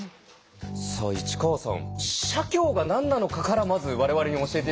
さあ市川さん社協が何なのかからまず我々に教えて頂けますか。